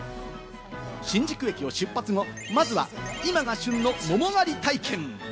新宿駅を出発後、まずは今が旬のもも狩り体験。